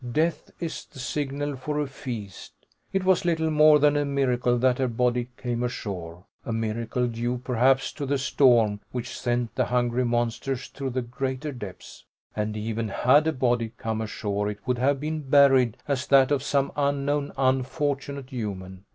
Death is the signal for a feast. It was little more than a miracle that her body came ashore, a miracle due perhaps to the storm which sent the hungry monsters to the greater depths. And even had a body come ashore it would have been buried as that of some unknown, unfortunate human.